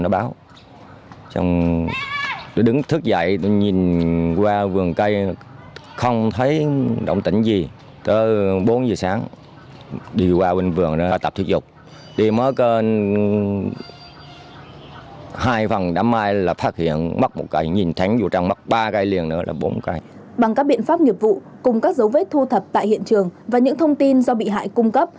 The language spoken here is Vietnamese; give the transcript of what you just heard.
bằng các biện pháp nghiệp vụ cùng các dấu vết thu thập tại hiện trường và những thông tin do bị hại cung cấp